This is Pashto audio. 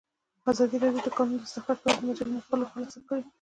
ازادي راډیو د د کانونو استخراج په اړه د مجلو مقالو خلاصه کړې.